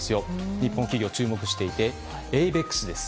日本企業も注目していてエイベックスです。